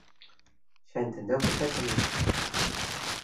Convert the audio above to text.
Xa entendeu perfectamente.